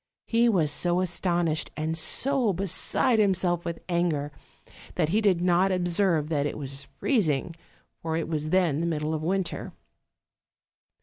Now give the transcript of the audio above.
He was so astonished and so beside himself with anger that he did not observe that it was freezing, for it was then the middle of winter.